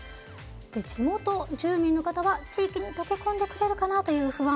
地元住民の方は地域に溶け込んでくれるかなという不安。